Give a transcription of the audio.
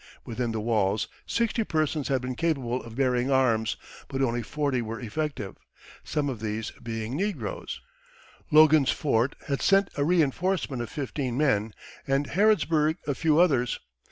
Within the walls sixty persons had been capable of bearing arms, but only forty were effective, some of these being negroes; Logan's Fort had sent a reenforcement of fifteen men, and Harrodsburg a few others.